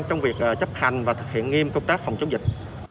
trong việc chấp hành và thực hiện nghiêm công tác phòng chống dịch